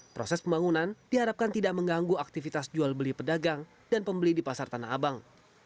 proses pembangunan diharapkan tidak mengganggu aktivitas jual beli pedagang dan pembeli di pasar tanah abang